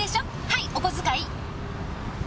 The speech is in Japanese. はいお小遣い。